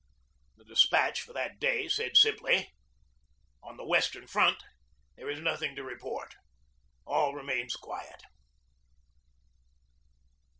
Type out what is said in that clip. The despatch for that day said simply: 'On the Western Front there is nothing to report. All remains quiet.'